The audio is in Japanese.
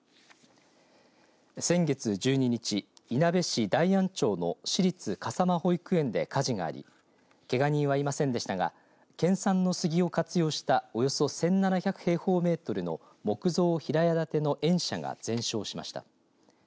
先月１２日いなべ市大安町の市立笠間保育園で火事がありけが人はいませんでしたが県産の杉を活用したおよそ１７００平方メートルの木造平屋建ての園舎が全焼しました。